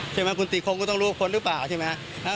ใช่ไหมคุณตีโค้งคุณต้องรู้พ้นหรือเปล่าใช่ไหม